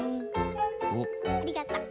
ありがとう。